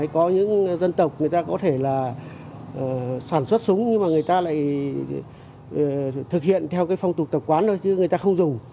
có những dân tộc người ta có thể là sản xuất súng nhưng mà người ta lại thực hiện theo cái phong tục tập quán thôi chứ người ta không dùng